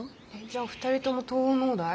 じゃあ２人とも東央農大？